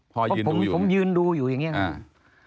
เพราะผมยืนดูอยู่อย่างนี้ครับ